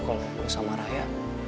kalau gue sama raya